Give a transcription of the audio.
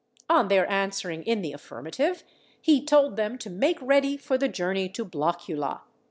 On their answering in the affirmative, he told them to make ready for the journey to Blockula.